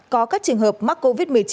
có các trường hợp mắc covid một mươi chín